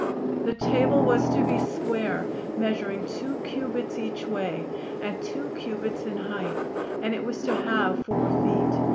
The table was to be square, measuring two cubits each way and two cubits in height; and it was to have four feet.